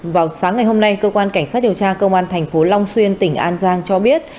vào sáng ngày hôm nay cơ quan cảnh sát điều tra công an thành phố long xuyên tỉnh an giang cho biết